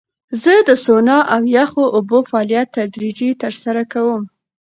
زه د سونا او یخو اوبو فعالیت تدریجي ترسره کوم.